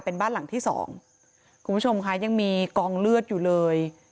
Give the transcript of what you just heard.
เป็นบ้านหลังที่สองคุณผู้ชมค่ะยังมีกองเลือดอยู่เลย